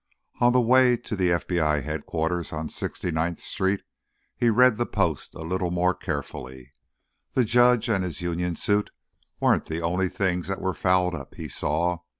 10 On the way to FBI Headquarters on 69th Street, he read the Post a little more carefully. The judge and his union suit weren't the only things that were fouled up, he saw.